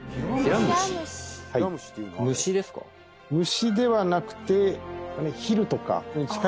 虫ではなくて。